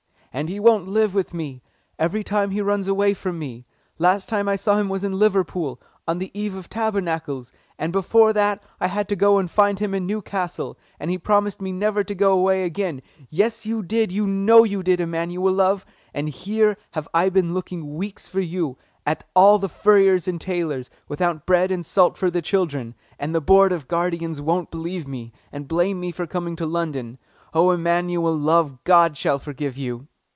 "And he won't live with me! Every time he runs away from me. Last time I saw him was in Liverpool, on the eve of Tabernacles. And before that I had to go and find him in Newcastle, and he promised me never to go away again yes, you did, you know you did, Emanuel, love. And here have I been looking weeks for you at all the furriers and tailors, without bread and salt for the children, and the Board of Guardians won't believe me, and blame me for coming to London. Oh, Emanuel, love, God shall forgive you."